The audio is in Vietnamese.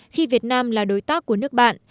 khi việt nam là đối tác của nước bạn